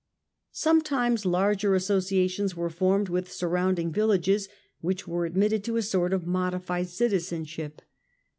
Sometimes larger associations were formed with surrounding villages, which were admitted to a sort of modified citizenship.